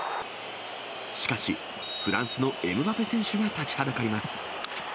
しかし、フランスのエムバペ選手が立ちはだかります。